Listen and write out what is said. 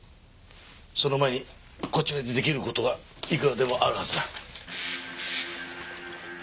その前にこちらで出来る事はいくらでもあるはずだ。